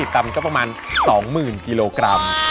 กรัมก็ประมาณ๒๐๐๐กิโลกรัม